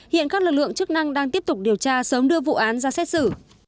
hiện các lực lượng chức năng đang tiếp tục điều tra sớm đưa vụ án ra xét xử